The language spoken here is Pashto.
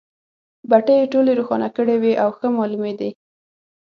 بټۍ یې ټولې روښانه کړې وې او ښه مالومېدې.